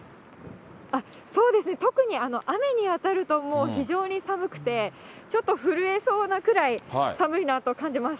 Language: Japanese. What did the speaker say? そうですね、特に雨に当たるともう非常に寒くて、ちょっと震えそうなくらい寒いなと感じます。